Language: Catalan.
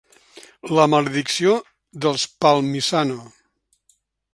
La maledicció dels Palmisano.